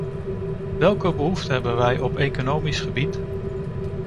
Welke behoeften hebben wij op economisch gebied?